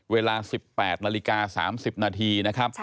เวลา๑๘นาฬิกา๓๐นาที